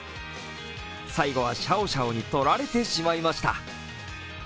最後はシャオシャオに取られてしまいました。